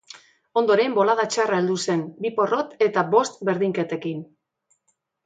Ondoren bolada txarra heldu zen bi porrot eta bost berdinketekin.